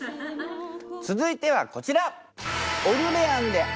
続いてはこちら。